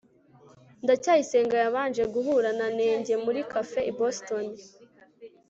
ndacyayisenga yabanje guhura na nenge muri cafe i boston